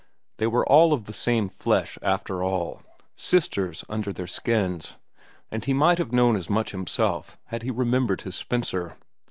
They were all of the same flesh, after all, sisters under their skins; and he might have known as much himself had he remembered his Spencer.